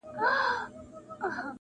• د پښتو غزل ساقي دی..